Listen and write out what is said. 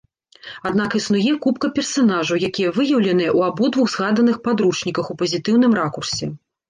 Аднак існуе купка персанажаў, якія выяўленыя ў абодвух згаданых падручніках у пазітыўным ракурсе.